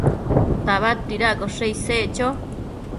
tabadtuaccoshe isec cho